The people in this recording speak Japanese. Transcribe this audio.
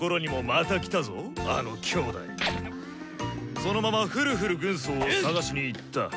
そのままフルフル軍曹を捜しに行った。